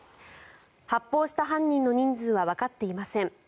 発砲した犯人の人数はわかっていません。